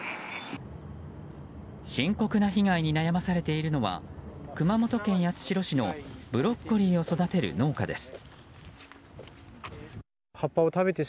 深刻な被害に悩まされているのは熊本県八代市のブロッコリーを育てる農家です。